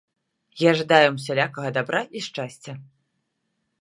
Я жадаю ім усялякага дабра і шчасця.